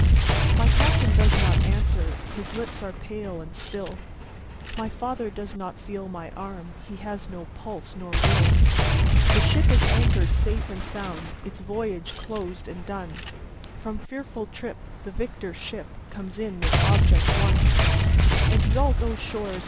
My Captain does not answer, his lips are pale and still, My father does not feel my arm, he has no pulse nor will; The ship is anchor'd safe and sound, its voyage closed and done, From fearful trip the victor ship comes in with object won; 20 Exult, O shores!